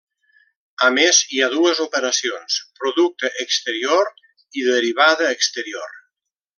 A més, hi ha dues operacions: producte exterior i derivada exterior.